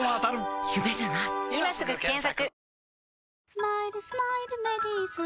「スマイルスマイルメリーズ」